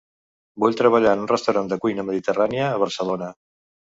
Vull treballar en un restaurant de cuina mediterrània a Barcelona.